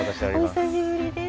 お久しぶりです。